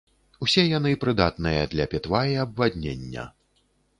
Усе яны прыдатныя для пітва і абваднення.